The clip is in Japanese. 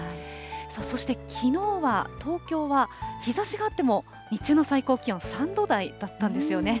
そしてきのうは、東京は日ざしがあっても日中の最高気温３度台だったんですよね。